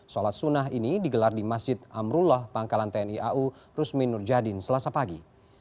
sholat sunnah ini digelar di masjid amrullah pangkalan tni au rusmin nurjadin selasa pagi